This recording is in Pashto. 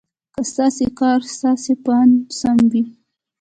که ستاسې کار ستاسې په اند سم وي.